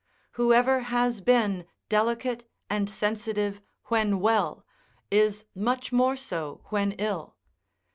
Who ever has been delicate and sensitive, when well, is much more so when ill.